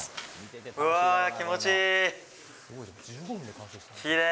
うわぁ、気持ちいい。